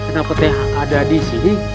kenapa tau akan disini